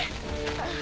ああ。